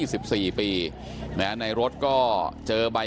ตำรวจต้องไล่ตามกว่าจะรองรับเหตุได้